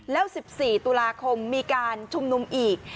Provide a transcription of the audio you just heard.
แล้ว๑๔ตุลาคมมีการชุมนุมอีก